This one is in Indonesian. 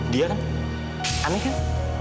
dia kan aneh kan